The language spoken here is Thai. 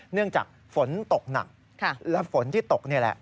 เนื่องจากฝนตกหนักและฝนที่ตกนี่แหละ